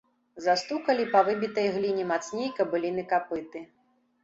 Застукалі па выбітай гліне мацней кабыліны капыты.